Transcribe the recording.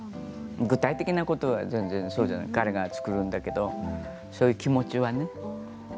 具体的なことは全然そうじゃない彼が作るんだけどそういう気持ちがね。